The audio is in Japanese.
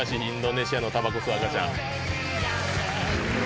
インドネシアのたばこ吸う赤ちゃん。